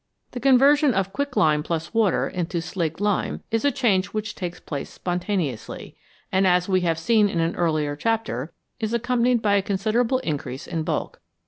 The con version of quicklime + water into slaked lime is a change which takes place spontaneously, and, as we have seen in an earlier chapter, is accompanied by a considerable increase in bulk.